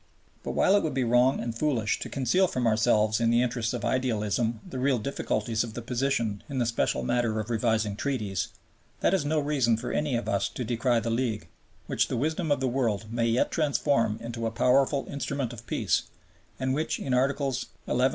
But while it would be wrong and foolish to conceal from ourselves in the interests of "idealism" the real difficulties of the position in the special matter of revising treaties, that is no reason for any of us to decry the League, which the wisdom of the world may yet transform into a powerful instrument of peace, and which in Articles XI. XVII.